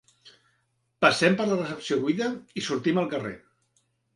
Passem per la recepció buida i sortim al carrer.